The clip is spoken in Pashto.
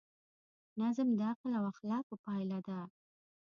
نظم د عقل او اخلاقو پایله ده.